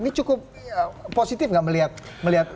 ini cukup positif nggak melihat